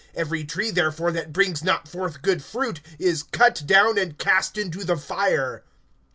Every tree therefore, that brings not forth good fruit, is cut down and cast into the fire.